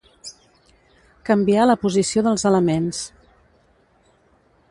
Canviar la posició dels elements.